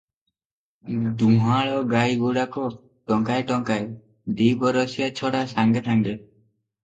ଦୁହାଁଳ ଗାଈଗୁଡାକ ଟଙ୍କାଏ ଟଙ୍କାଏ, ଦି'ବରଷିଆ ଛଡ଼ା ସାଙ୍ଗେ ସାଙ୍ଗେ ।